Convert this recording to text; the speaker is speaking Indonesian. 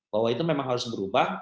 bahwa itu memang harus berubah